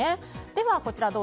ではこちら。